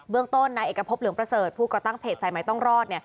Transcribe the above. เบื้องต้นนะเอกพบเหลืองประเสริฐผู้กระตั้งเพจใส่ไม้ต้องรอด